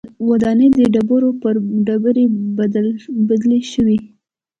ودانۍ د ډبرو پر ډېرۍ بدلې شوې.